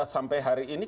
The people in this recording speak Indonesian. sampai hari ini